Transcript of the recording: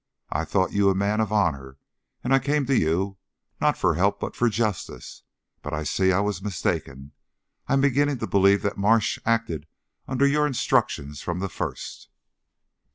I thought you a man of honor, and I came to you, not for help but for justice. But I see I was mistaken. I am beginning to believe that Marsh acted under your instructions from the first."